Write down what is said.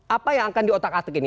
apa yang akan diotak atik ini